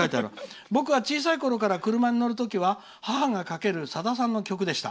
僕は小さいころから車に乗るときは母がかける、さださんの曲でした。